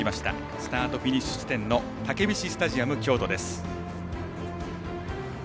スタート、フィニッシュ地点のたけびしスタジアム京都です。